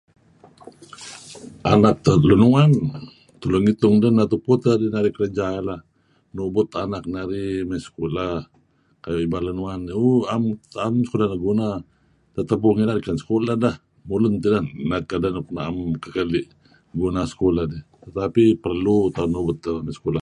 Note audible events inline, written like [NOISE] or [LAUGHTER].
Anak [UNINTELLIGIBLE] lun uwan...tulu ngitung deh neh tupu teh dinarih kerja dih lah nubut anak narih mey sekulah kuayu' ibal lun uwan uuh am am sekulah neh guna tetepuh ngilad kan sekulah deh mulun tideh neh kedeh nuk na'em kekeli' guna sekulah dih . Tetapi perlu tauh nu'uh [UNINTELLIGIBLE] mey sekulah